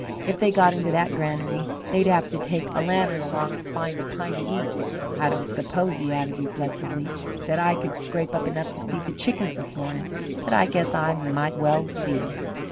If they got into that granary they'd have to take a lantern along to find a pint of wheat. I don't suppose," he added, reflectively, "that I could scrape up enough to feed the chickens this mornin', but I guess I might's well see."